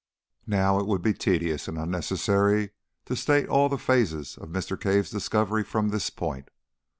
Now, it would be tedious and unnecessary to state all the phases of Mr. Cave's discovery from this point.